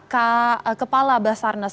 ke kepala basarnas